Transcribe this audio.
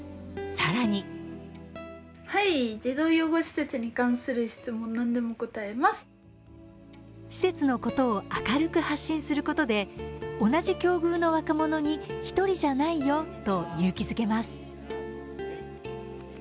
更に施設のことを明るく発信することで、同じ境遇の若者に「ひとりじゃないよ」と勇気づけます。